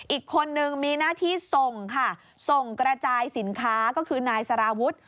อีกคนนึงมีหน้าที่ส่งค่ะส่งกระจายสินค้าก็คือนายสารวุฒิ